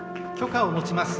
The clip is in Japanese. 炬火を持ちます